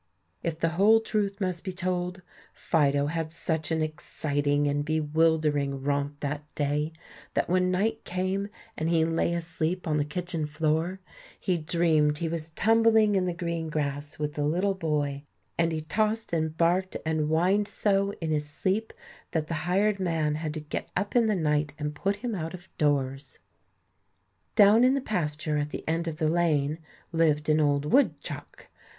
If the whole truth must be told, Fido had such an exciting and bewildering romp that day that when night came, and he lay asleep on the kitchen floor, he dreamed he was tumbling in the green grass with the little boy, and he tossed and barked and whined so in his sleep that the hired man had to get up in the night and put him out of doors. Down in the pasture at the end of the lane lived an old woodchuck.